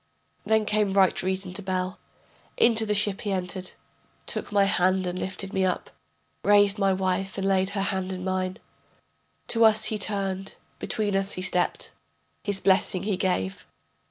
Then came right reason to Bel, Into the ship he entered, Took my hand and lifted me up, Raised my wife and laid her hand in mine, To us he turned, between us he stepped, His blessing he gave.